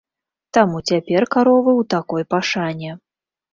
Таму цяпер каровы ў такой пашане.